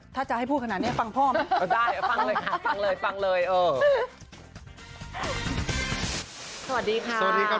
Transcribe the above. ถ้าจะให้พูดขนาดนี้ฟังพ่อไหม